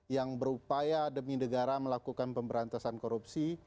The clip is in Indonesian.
yang berupaya demi negara melakukan pemberantasan korupsi